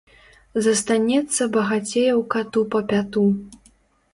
Застанецца багацеяў кату па пяту.